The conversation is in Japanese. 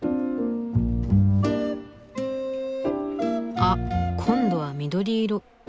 あっ今度は緑色。